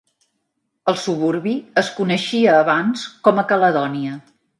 El suburbi es coneixia abans com a "Caledonia".